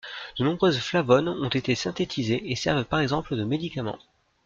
De nombreuses flavones ont été synthétisées et servent par exemple de médicament.